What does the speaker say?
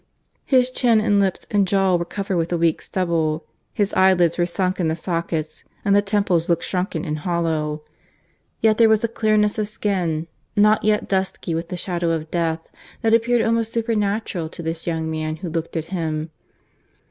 His chin and lips and jaws were covered with a week's stubble, his eyelids were sunk in the sockets, and the temples looked shrunken and hollow; yet there was a clearness of skin, not yet dusky with the shadow of death, that appeared almost supernatural to this young man who looked at him.